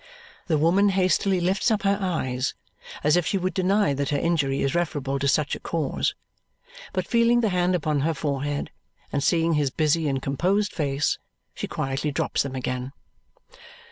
The woman hastily lifts up her eyes as if she would deny that her injury is referable to such a cause. But feeling the hand upon her forehead, and seeing his busy and composed face, she quietly drops them again.